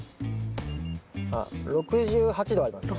あっ６８度ありますね。